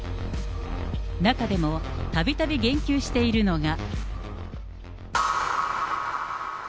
中でもたびたび言及しているのが。